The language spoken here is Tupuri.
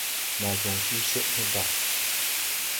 Naa jɔŋ susɛʼ ne Bàa.